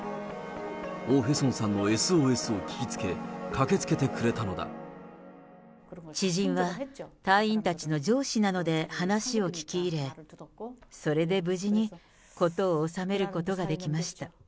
オ・ヘソンさんのＳＯＳを聞きつ知人は隊員たちの上司なので、話を聞き入れ、それで無事に事を収めることができました。